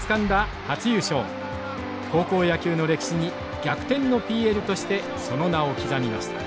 高校野球の歴史に逆転のＰＬとしてその名を刻みました。